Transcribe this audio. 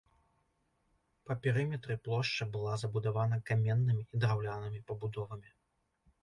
Па перыметры плошча была забудавана каменнымі і драўлянымі пабудовамі.